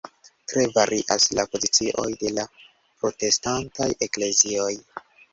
Tre varias la pozicioj de la protestantaj Eklezioj.